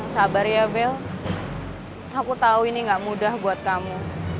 sabar ya bel aku tahu ini gak mudah buat kamu